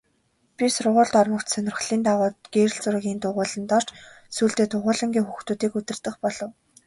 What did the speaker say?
Би сургуульд ормогц сонирхлын дагуу гэрэл зургийн дугуйланд орж сүүлдээ дугуйлангийн хүүхдүүдийг удирдах болов.